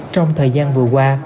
trong thời gian vừa qua